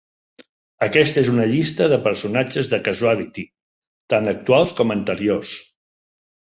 Aquesta és una llista de personatges de "Casualty", tant actuals com anteriors.